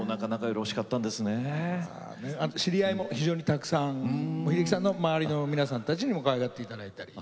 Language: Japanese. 知り合いも非常にたくさん秀樹さんの周りの皆さんたちにもかわいがっていただいて。